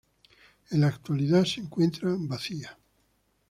En la actualidad se encuentra vacía.